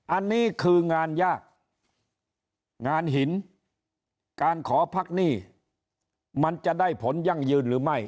อันนี้คืองานยากงานหินการขอพักหนี้มันจะได้ผลยั่งยืนหรือไม่